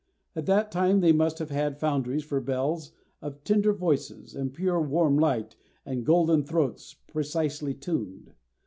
At that time they must have had foundries for bells of tender voices, and pure, warm, light, and golden throats, precisely tuned.